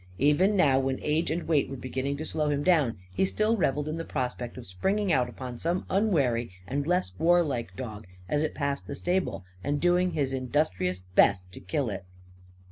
Even now, when age and weight were beginning to slow him down, he still revelled in the prospect of springing out upon some unwary and less warlike dog as it passed the stable; and doing his industrious best to kill it.